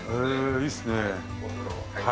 いいですね。